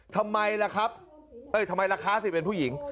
ทำไมล่ะครับเอ้ยทำไมล่ะคะสิเป็นผู้หญิง